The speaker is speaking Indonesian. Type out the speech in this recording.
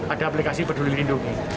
ada aplikasi peduli lindungi